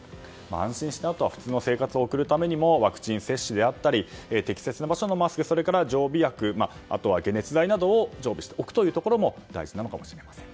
安心してあとは普通の生活を送るためにもワクチン接種であったり適切な場所でのマスクそれから常備薬あとは解熱剤などを常備しておくということも大事なのかもしれません。